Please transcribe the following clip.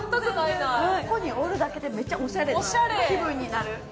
ここにおるだけで、めっちゃおしゃれな気分になる。